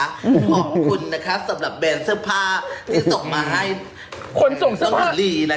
ขอบคุณนะคะสำหรับแบรนด์เสื้อผ้าที่ส่งมาให้นางหญิงลีนะคะ